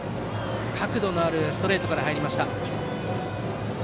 角度のあるストレートから入ってきた。